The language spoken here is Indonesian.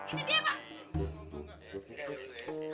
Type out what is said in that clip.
ini dia bang